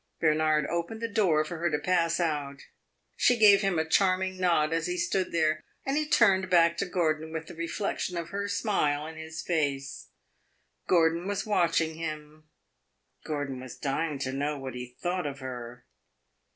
Bernard opened the door for her to pass out; she gave him a charming nod as he stood there, and he turned back to Gordon with the reflection of her smile in his face. Gordon was watching him; Gordon was dying to know what he thought of her.